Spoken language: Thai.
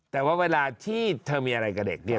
แต่ว่าเวลาที่เธอมีอะไรกับเด็กเนี่ย